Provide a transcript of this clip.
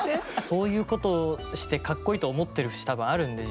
そういうことしてかっこいいと思ってる節多分あるんで。